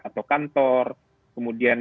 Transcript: atau kantor kemudian